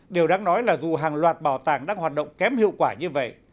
điều đáng nói là dù hàng loạt bảo tàng đang hoạt động kém hiệu quả như vậy